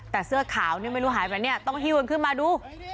แต่เสื้อขาวนี่ไม่รู้หายไปเนี่ยต้องหิ้วกันขึ้นมาดู